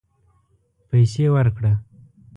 پیسې ورکړه